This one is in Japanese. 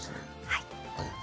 はい。